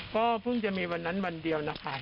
ก็เพิ่งจะมีวันนั้นวันเดียวนะคะ